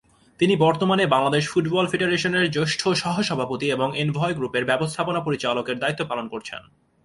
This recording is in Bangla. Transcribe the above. তিনি বর্তমানে বাংলাদেশ ফুটবল ফেডারেশনের জ্যেষ্ঠ সহ-সভাপতি এবং এনভোয় গ্রুপের ব্যবস্থাপনা পরিচালকের দায়িত্ব পালন করছেন।